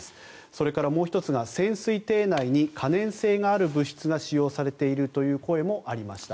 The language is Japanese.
それから、もう１つが潜水艇内に可燃性のある物質が使用されているという声もありました。